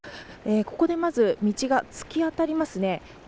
ここで、まず道が突き当たりますね。